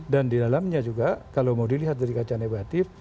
dan di dalamnya juga kalau mau dilihat dari kaca negatif